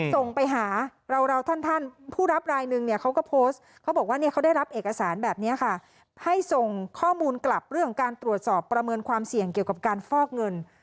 ส่งไปหาเราท่านผู้รับไลน์หนึ่งก็โพสต์